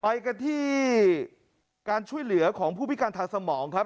ไปกันที่การช่วยเหลือของผู้พิการทางสมองครับ